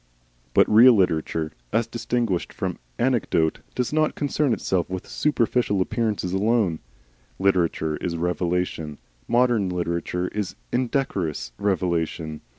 But real literature, as distinguished from anecdote, does not concern itself with superficial appearances alone. Literature is revelation. Modern literature is indecorous revelation.